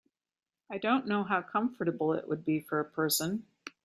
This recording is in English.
I don’t know how comfortable it would be for a person.